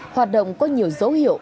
hoạt động có nhiều dấu hiệu